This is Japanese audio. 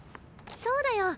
そうだよ。